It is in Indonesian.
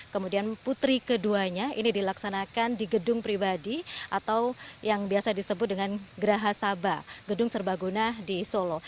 kemudian putri keduanya ini dilaksanakan di gedung pribadi atau yang biasa disebut dengan geraha saba gedung serbaguna di solo